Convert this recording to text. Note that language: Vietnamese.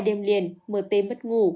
hai đêm liền m t mất ngủ